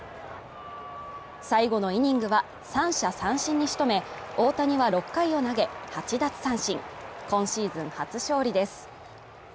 最後のイニングは三者三振に仕留め、大谷は６回を投げ、８奪三振、今シーズン初勝利です。